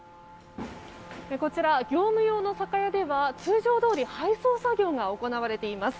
こちら業務用の酒屋では通常どおり配送作業が行われています。